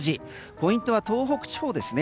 ポイントは東北地方ですね。